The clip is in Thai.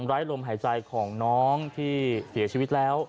ไร้ลมหายใจของน้องที่เสียชีวิตแล้ว